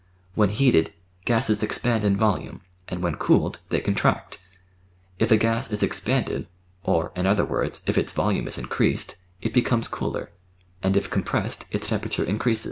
When heated, gases expand in volume, and when cooled, they contract. If a gas is expanded, or, in other words, if its volume is increased, it becomes cooler, and if compressed its temperature increases.